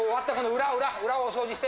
裏お掃除して。